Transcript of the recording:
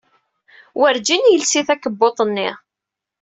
Wurǧin yelsi takebbuḍt-nni.